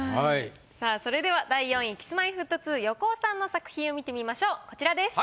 さぁそれでは第４位Ｋｉｓ−Ｍｙ−Ｆｔ２・横尾さんの作品を見てみましょうこちらです。